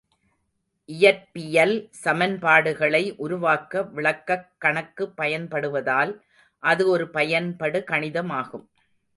இயற்பியல் சமன்பாடுகளை உருவாக்க விளக்கக் கணக்கு பயன்படுவதால், அது ஒரு பயன்படு கணிதமாகும்.